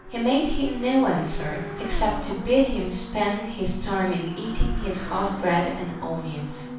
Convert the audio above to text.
He made him no answer, except to bid him spend his time in eating his hot bread and onions.